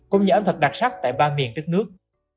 cũng như ẩm thực đặc sắc tại ba miền đất nước